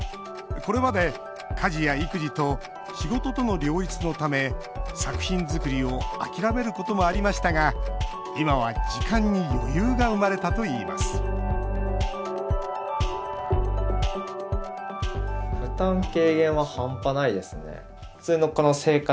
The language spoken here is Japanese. これまで、家事や育児と仕事との両立のため作品作りを諦めることもありましたが今は時間に余裕が生まれたといいます撮影当日。